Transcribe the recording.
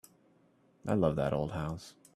I love that old house.